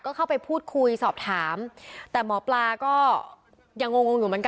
ก็เข้าไปพูดคุยสอบถามแต่หมอปลาก็ยังงงงอยู่เหมือนกัน